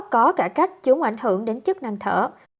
có cả cách chống ảnh hưởng đến chức năng thở